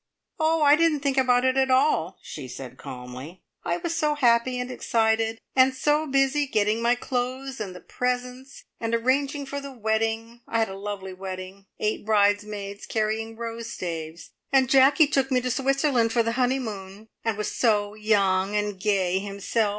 "Oh! I didn't think about it at all," she said calmly. "I was so happy, and excited. And so busy getting my clothes, and the presents, and arranging for the wedding. I had a lovely wedding. Eight bridesmaids carrying rose staves. And Jacky took me to Switzerland for the honeymoon, and was so young and gay himself.